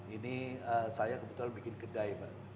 ini saya kebetulan bikin kedai mbak